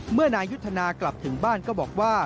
นายยุทธนากลับถึงบ้านก็บอกว่า